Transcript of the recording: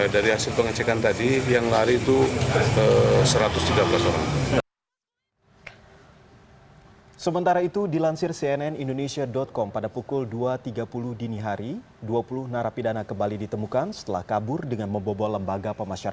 dari hasil pengecekan tadi yang lari itu satu ratus tiga belas orang